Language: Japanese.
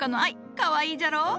かわいいじゃろう。